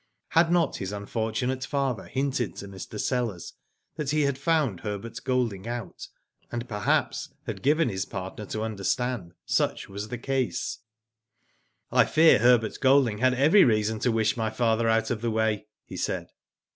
Had not his unfortunate father hinted to Digitized byGoogk 248 WHO DID ITf Mr. Sellers that he had found Herbert Golding out, and perhaps had given his partner to under stand such was the case. " I fear Herbert Golding had every reason to wish my father out of the way," he said.